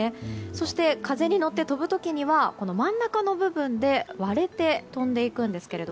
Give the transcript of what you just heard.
そして、風に乗って飛ぶ時には真ん中の部分で割れて飛んでいくんですが。